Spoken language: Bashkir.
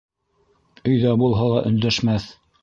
Өйҙә булһа ла өндәшмәҫ.